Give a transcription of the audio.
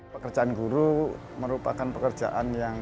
pekerjaan guru merupakan pekerjaan yang